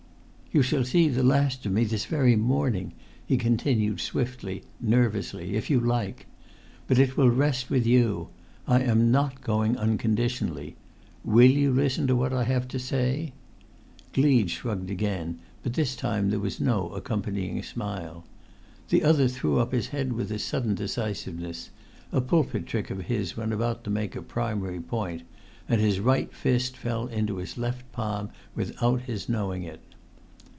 "You shall see the last of me this very morning," he continued swiftly, nervously, "if you like! But it will rest with you. I am not going unconditionally. Will you listen to what I have to say?" Gleed shrugged again, but this time there was no accompanying smile. The other threw up his head with a sudden decisiveness—a pulpit trick of his when about to make a primary point—and his right fist fell into his left palm without his knowing it.